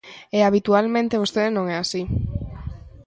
E habitualmente vostede non é así.